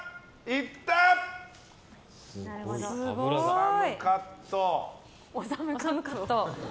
理カット！